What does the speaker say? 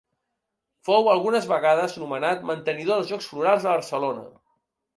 Fou algunes vegades nomenat mantenidor dels Jocs Florals de Barcelona.